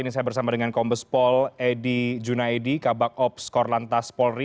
saya bersama dengan kombes pol edi junaedi kabak ops korlantas polri